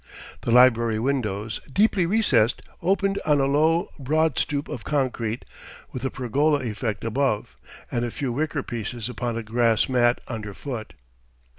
The library windows, deeply recessed, opened on a low, broad stoop of concrete, with a pergola effect above, and a few wicker pieces upon a grass mat underfoot.